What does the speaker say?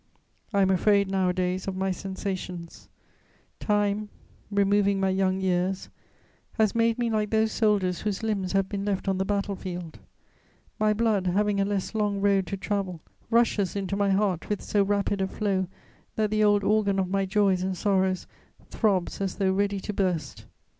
I am afraid nowadays of my sensations: time, removing my young years, has made me like those soldiers whose limbs have been left on the battle field; my blood, having a less long road to travel, rushes into my heart with so rapid a flow that that old organ of my joys and sorrows throbs as though ready to burst.